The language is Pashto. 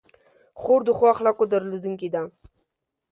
خور د ښو اخلاقو درلودونکې ده.